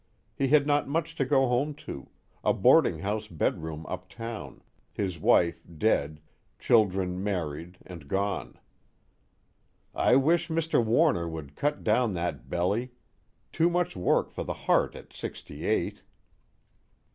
He had not much to go home to a boarding house bedroom uptown, his wife dead, children married and gone. "I wish Mr. Warner would cut down that belly. Too much work for the heart at sixty eight."